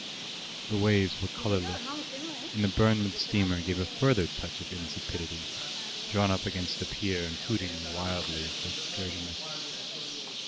The waves were colourless, and the Bournemouth steamer gave a further touch of insipidity, drawn up against the pier and hooting wildly for excursionists.